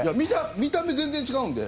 見た目、全然違うんで。